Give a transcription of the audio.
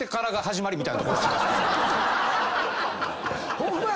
ホンマや！